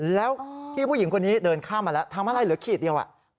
แล้วพี่ผู้หญิงคนนี้เดินข้ามมาแล้วทำอะไรเหลือขีดเดียว